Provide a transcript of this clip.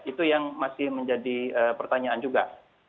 itu yang masih menjadi pertanyaan juga